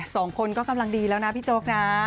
สองคนก็กำลังดีแล้วนะพี่โจ๊กนะ